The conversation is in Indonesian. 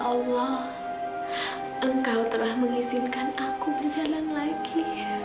allah engkau telah mengizinkan aku berjalan lagi